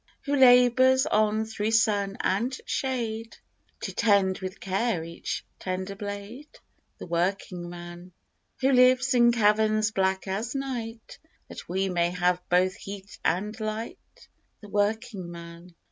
Who labors on thru sun and shade To 'tend with care each tender blade? The working man. Who lives in caverns black as night That we may have both heat and light? The working man.